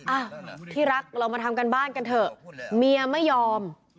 อ่ะที่รักเรามาทำการบ้านกันเถอะเมียไม่ยอม